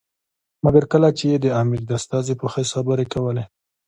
مګر کله چې یې د امیر د استازي په حیث خبرې کولې.